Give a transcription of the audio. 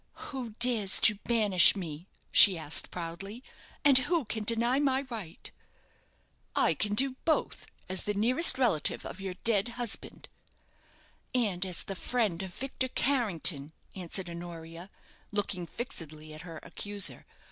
"Who dares to banish me?" she asked, proudly. "And who can deny my right?" "I can do both, as the nearest relative of your dead husband." "And as the friend of Victor Carrington," answered Honoria, looking fixedly at her accuser.